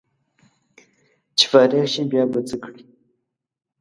چې فارغ شې بیا به څه کړې